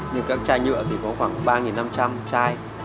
nhưng các chai nhựa thì có khoảng ba năm trăm linh chai